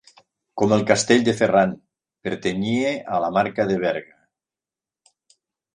Com el castell de Ferran, pertanyia a la marca de Berga.